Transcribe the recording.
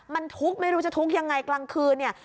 มันทุกข์ไม่รู้จะทุกข์ยังไงกลางคืนเนี่ย